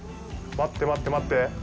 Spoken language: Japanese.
待って待って待って。